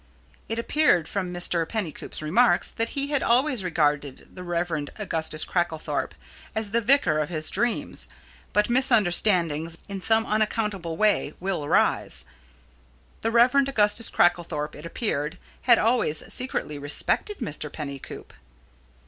It appeared from Mr. Pennycoop's remarks that he had always regarded the Rev. Augustus Cracklethorpe as the vicar of his dreams, but misunderstandings in some unaccountable way will arise. The Rev. Augustus Cracklethorpe, it appeared, had always secretly respected Mr. Pennycoop.